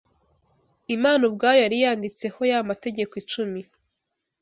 Imana ubwayo yari yanditseho ya mategeko icumi